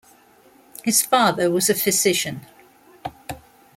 His father was a physician.